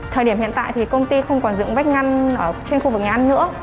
thời điểm hiện tại thì công ty không còn dựng vách ngăn ở trên khu vực nhà ăn nữa